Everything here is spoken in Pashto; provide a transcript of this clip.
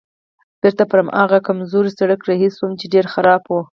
بېرته پر هماغه کمزوري سړک رهي شوم چې ډېر خراب و.